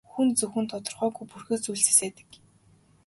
Хүн зөвхөн тодорхойгүй бүрхэг зүйлсээс л айдаг.